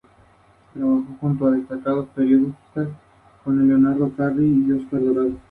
Militante anarcosindicalista.